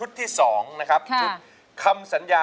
ร้องเข้าให้เร็ว